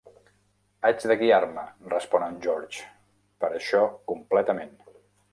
"Haig de guiar-me", respon en George, "per això completament".